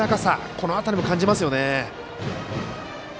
この辺りも感じますよね。